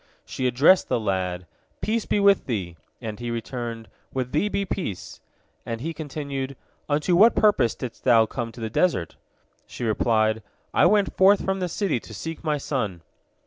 She addressed the lad, "Peace be with thee!" and he returned, "With thee be peace!" and he continued, "Unto what purpose didst thou come to the desert?" She replied, "I went forth from the city to seek my son."